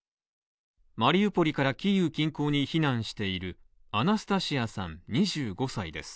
マリウポリからキーウ近郊に避難しているアナスタシアさん２５歳です。